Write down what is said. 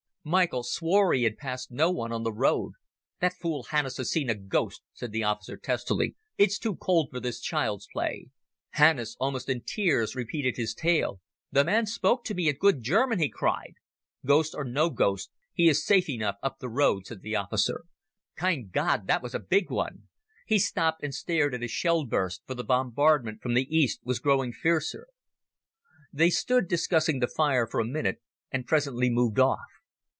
Michael swore he had passed no one on the road. "That fool Hannus has seen a ghost," said the officer testily. "It's too cold for this child's play." Hannus, almost in tears, repeated his tale. "The man spoke to me in good German," he cried. "Ghost or no ghost he is safe enough up the road," said the officer. "Kind God, that was a big one!" He stopped and stared at a shell burst, for the bombardment from the east was growing fiercer. They stood discussing the fire for a minute and presently moved off.